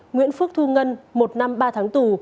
nguyễn phước thu ngân một năm ba tháng tù